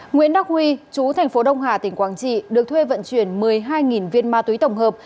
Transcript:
nguyễn đắc huy chú thành phố đông hà tỉnh quảng trị được thuê vận chuyển một mươi hai viên ma túy tổng hợp